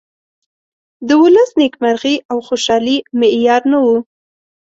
د ولس نیمکرغي او خوشالي معیار نه ؤ.